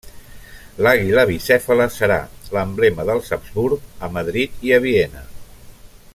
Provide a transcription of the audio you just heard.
L'àguila bicèfala serà l'emblema dels Habsburg a Madrid i a Viena.